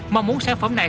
mong muốn sản phẩm này